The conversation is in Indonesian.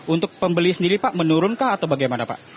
untuk pembeli sendiri pak menurunkah atau bagaimana pak